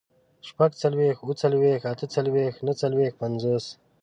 شپږڅلوېښت، اووه څلوېښت، اته څلوېښت، نهه څلوېښت، پينځوس